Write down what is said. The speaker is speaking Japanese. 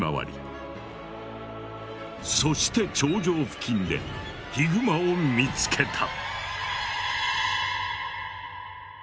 そして頂上付近でヒグマを見つけた。